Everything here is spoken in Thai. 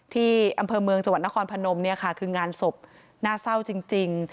ที่อำเภอเมืองจังหวัดนครพนมเนี่ยค่ะคืองานศพน่าเศร้าจริง